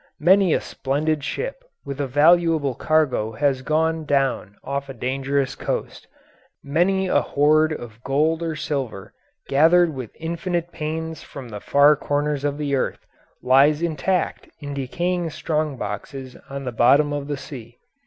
Many a splendid ship with a valuable cargo has gone down off a dangerous coast; many a hoard of gold or silver, gathered with infinite pains from the far corners of the earth, lies intact in decaying strong boxes on the bottom of the sea.